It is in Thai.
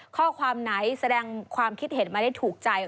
ข้อความไหนแสดงความคิดเห็นมาได้ถูกใจ